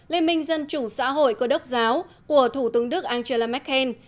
liên minh dân chủ xã hội cơ đốc giáo của thủ tướng đức angela merkel